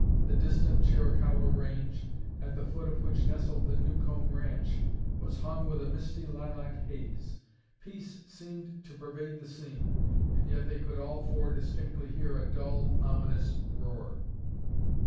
The distant Chiricahua range, at the foot of which nestled the Newcomb ranch, was hung with a misty lilac haze. Peace seemed to pervade the scene and yet they could all four distinctly hear a dull ominous roar.